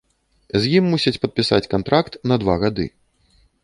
З ім мусяць падпісаць кантракт на два гады.